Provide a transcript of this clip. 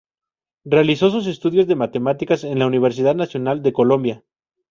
Realizó sus estudios de Matemáticas en la Universidad Nacional de Colombia.